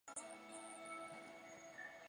三次站则属管辖。